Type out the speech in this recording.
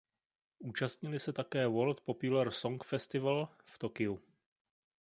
Účastnili se také World Popular Song Festival v Tokiu.